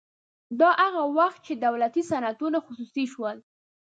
دا هغه وخت چې دولتي صنعتونه خصوصي شول